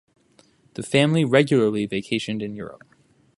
The family regularly vacationed in Europe.